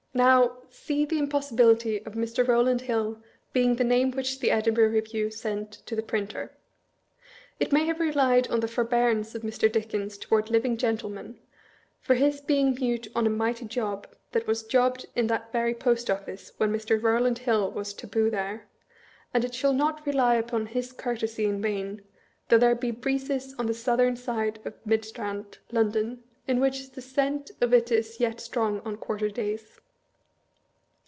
Now, see the impossibility of Mr. Eowland Hill being the name which the Edinburgh Review sent to the printer. It may have relied on the forbearance of Mr. Dickens toward living gentlemen, for his being mute on a mighty job that was jobbed in that very Post Office when Mr. Eowland Hill was tcd)oo there, and it shall not rely upon his courtesy in vain, though there be breezes on the southern side of mid Strand, London, in which the scent of it is yet strong on quarter days.